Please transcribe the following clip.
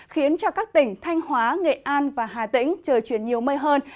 khiến cho các tỉnh thanh hóa nghệ an và hà tĩnh trời chuyển nhiều mây hơn